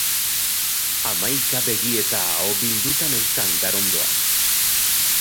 Hamaika begi eta aho bilduta neuzkan garondoan.